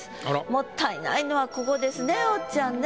もったいないのはここですねおっちゃんね。